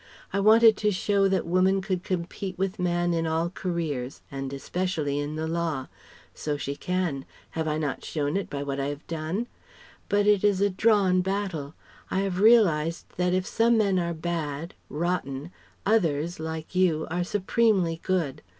I wanted to show that woman could compete with man in all careers, and especially in the Law. So she can have I not shown it by what I have done? But it is a drawn battle. I have realized that if some men are bad rotten others, like you are supremely good.